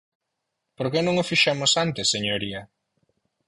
¿Por que non o fixemos antes, señoría?